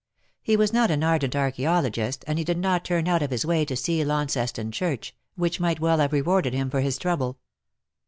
He was not an ardent archaeologist; and he did not turn out of his way to see Launceston Church, which might well have rewarded him for his trouble.